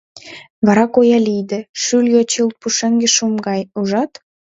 — Вара коя лийде: шӱльӧ чылт пушеҥге шӱм гай, ужат?